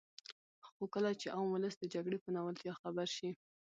خو کله چې عام ولس د جګړې په ناولتیا خبر شي.